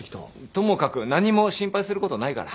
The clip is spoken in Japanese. ともかく何も心配することないから。